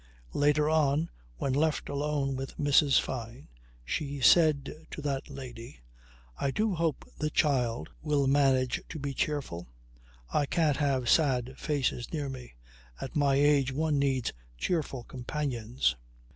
Later on when left alone with Mrs. Fyne she said to that lady: "I do hope the child will manage to be cheerful. I can't have sad faces near me. At my age one needs cheerful companions."